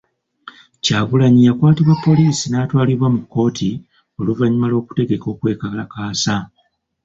Kyagulanyi yakwatibwa poliisi n'atwalibwa mu kkooti oluvannyuma lw'okutegeka okwekalaasa.